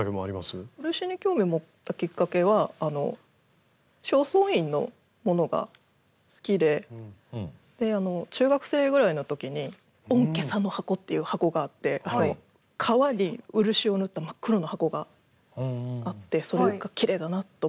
漆に興味を持ったきっかけは正倉院のものが好きで中学生ぐらいの時に御袈裟箱っていう箱があって革に漆を塗った真っ黒の箱があってそれがきれいだなと思って。